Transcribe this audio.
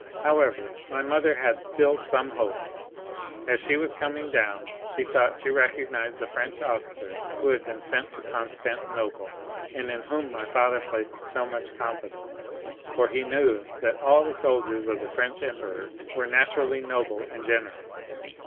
However, my mother had still some hope. As she was coming down, she thought she recognized the French officer who had been sent to Constantinople, and in whom my father placed so much confidence; for he knew that all the soldiers of the French emperor were naturally noble and generous.